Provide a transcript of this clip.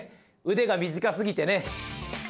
腕が短すぎてね